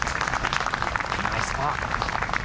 ナイスパー。